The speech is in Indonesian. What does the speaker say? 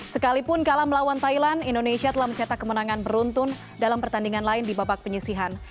sekalipun kalah melawan thailand indonesia telah mencetak kemenangan beruntun dalam pertandingan lain di babak penyisihan